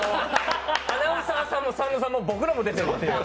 アナウンサーさんもサンドさんも僕らも出てます。